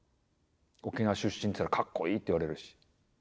沖縄出身って言ったらかっこいいって言われるし。